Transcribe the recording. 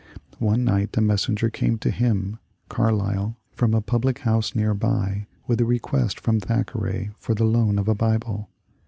One night a messenger came to him (Carlyle) from a public house near by with a request from Thackeray for the loan of a Bible.